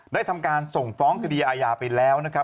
ได้ทำการส่งฟ้องคดีอาญาไปแล้วนะครับ